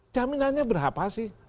jaminannya berapa sih